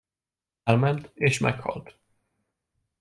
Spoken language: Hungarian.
Elment és meghalt!